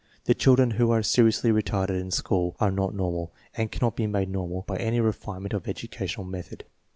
The children who are seriously retarded in school are not normal, and cannot be made normal by any refine ment of educational method.